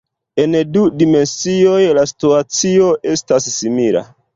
En du dimensioj la situacio estas simila.